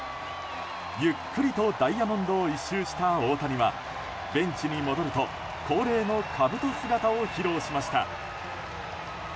ゆっくりとダイヤモンドを１周した大谷はベンチに戻ると恒例のかぶと姿を披露しました。